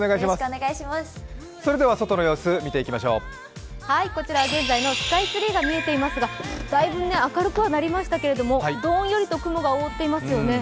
外の様子、見ていきましょうこちら現在のスカイツリーが見えていますがだいぶ明るくはなりましたけれども、どんよりと雲が覆っていますよね。